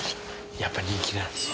やっぱ人気なんですよ。